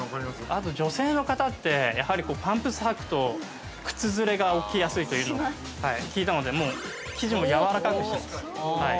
◆あと、女性の方って、パンプス履くと、靴擦れが起きやすいと聞いたので、生地をやわらかくしてます。